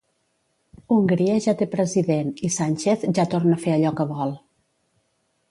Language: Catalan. Hongria ja té president i Sánchez ja torna a fer allò que vol.